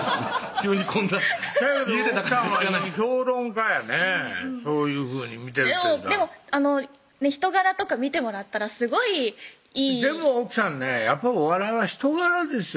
急にこんなせやけど奥さんは評論家やねぇそういうふうに見てるというのはでも人柄とか見てもらったらすごいいいでも奥さんねやっぱお笑いは人柄ですよ